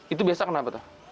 itu biasa kenapa toh